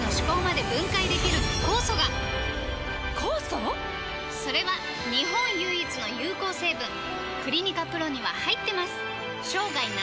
酵素⁉それは日本唯一の有効成分「クリニカ ＰＲＯ」には入ってます！